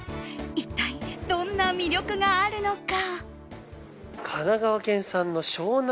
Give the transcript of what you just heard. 一体どんな魅力があるのか。